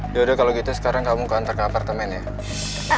yaudah kalau gitu sekarang kamu counter ke apartemen ya